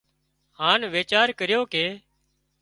هانَ ويچار ڪريو ڪي